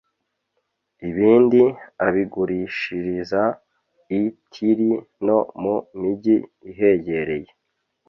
ibindi abigurishiriza i tiri no mu migi ihegereye